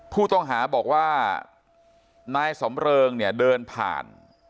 ผู้ต้องหาบอกว่านายสำเริงเนี่ยเดินผ่าน